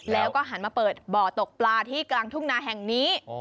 แล้วก็หันมาเปิดบ่อตกปลาที่กลางทุ่งนาแห่งนี้